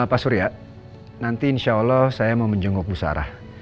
pak surya nanti insya allah saya mau menjengukmu sarah